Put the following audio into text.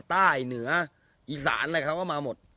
เหนืออีสานอะไรเขาก็มาหมด